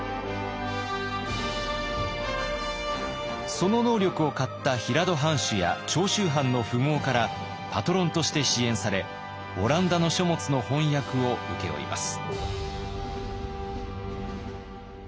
その能力を買った平戸藩主や長州藩の富豪からパトロンとして支援されオランダの書物の翻訳を請け負います。